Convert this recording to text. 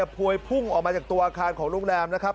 พวยพุ่งออกมาจากตัวอาคารของโรงแรมนะครับ